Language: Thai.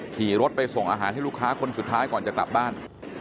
ขี่รถไปส่งอาหารให้ลูกค้าคนสุดท้ายก่อนจะกลับบ้าน